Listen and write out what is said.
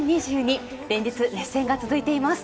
連日、熱戦が続いています。